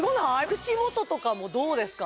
口元とかもどうですか？